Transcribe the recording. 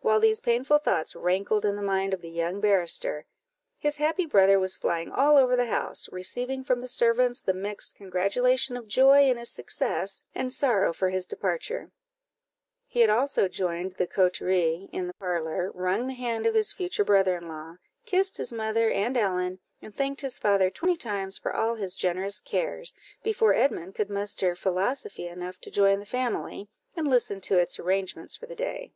While these painful thoughts rankled in the mind of the young barrister, his happy brother was flying all over the house, receiving from the servants the mixed congratulation of joy in his success and sorrow for his departure; he had also joined the coterie in the parlour, wrung the hand of his future brother in law, kissed his mother and Ellen, and thanked his father twenty times for all his generous cares, before Edmund could muster philosophy enough to join the family, and listen to its arrangements for the day.